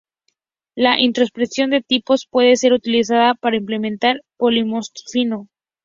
La introspección de tipos puede ser utilizada para implementar polimorfismo.